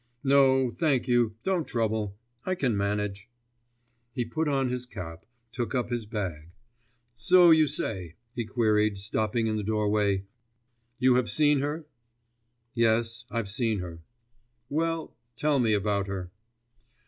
'No, thank you, don't trouble, I can manage....' He put on his cap, took up his bag. 'So you say,' he queried, stopping in the doorway, 'you have seen her?' 'Yes, I've seen her.' 'Well ... tell me about her.